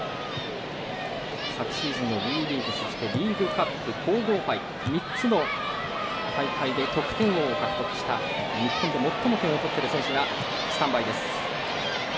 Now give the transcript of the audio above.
昨シーズンの、ＷＥリーグリーグカップ、皇后杯３つの大会で得点王を獲得した日本で最も点を取っている選手がスタンバイです。